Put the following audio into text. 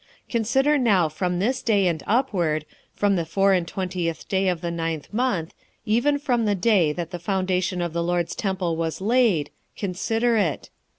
2:18 Consider now from this day and upward, from the four and twentieth day of the ninth month, even from the day that the foundation of the LORD's temple was laid, consider it.